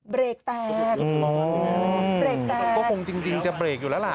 เบรกแตกเบรกแตกก็คงจริงจะเบรกอยู่แล้วล่ะ